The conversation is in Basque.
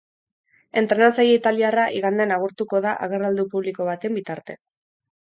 Entrenatzaile italiarra igandean agurtuko da agerraldi publiko baten bitartez.